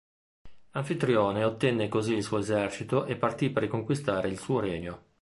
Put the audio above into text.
Anfitrione ottenne così il suo esercito e partì per riconquistare il suo regno.